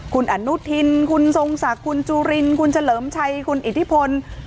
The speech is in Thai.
คุณอนุทินคุณทรงศักดิ์คุณจุรินคุณเฉลิมชัยคุณอิทธิพล